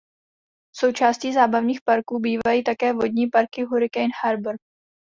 Součástí zábavních parků bývají také vodní parky Hurricane Harbor.